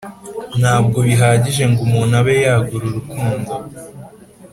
ntabwo bihagije ngo umuntu abe yagura urukundo